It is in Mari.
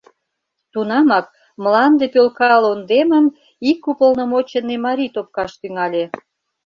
Тунамак мланде пӧлка лондемым ик уполномоченный марий топкаш тӱҥале.